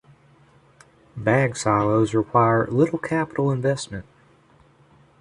Bag silos require little capital investment.